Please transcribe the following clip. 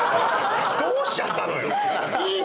どうしちゃったのよ？